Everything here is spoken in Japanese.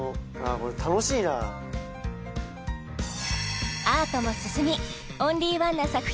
これ楽しいなアートも進みオンリー１な作品